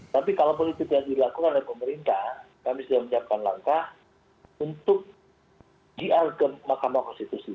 tapi kalaupun itu tidak dilakukan oleh pemerintah kami sudah menyiapkan langkah untuk dia ke mahkamah konstitusi